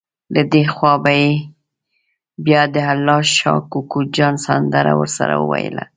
له دې خوا به یې بیا د الله شا کوکو جان سندره ورسره وویله.